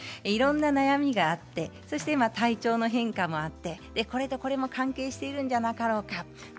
いろいろな悩みがあってそして体調の変化があってこれとこれが関係しているのではないだろうか